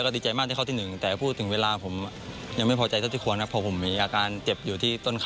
ดีใจที่คว้าเซียจกมาได้ให้ประเทศไทย